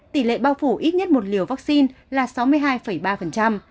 tỷ lệ bao phủ ít nhất một liều vaccine là sáu mươi hai ba